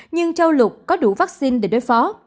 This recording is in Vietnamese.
nhưng châu lục có đủ vaccine để đối phó